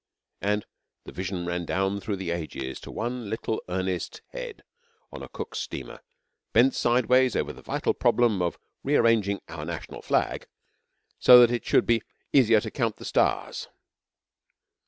And the vision ran down through the ages to one little earnest head on a Cook's steamer, bent sideways over the vital problem of rearranging 'our National Flag' so that it should be 'easier to count the stars.'